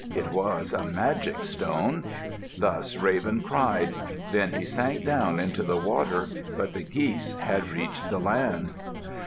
It was a magic stone. Thus Raven cried. Then he sank down into the water, but the geese had reached the land.